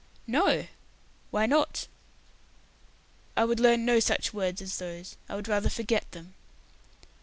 "No! Why not?" "I would learn no such words as those. I would rather forget them."